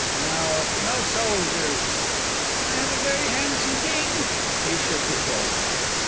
"No. No soldiers." "And I have a very handsome king." He shook his head.